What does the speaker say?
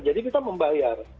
jadi kita membayar